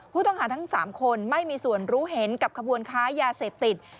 ผู้ต้องหาทั้ง๓คนไม่มีส่วนรู้เห็นกับขบวนค้ายาเสพติด